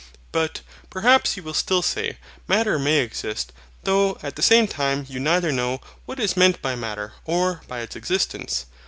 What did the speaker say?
But, perhaps you will still say, Matter may exist; though at the same time you neither know WHAT IS MEANT by MATTER, or by its EXISTENCE.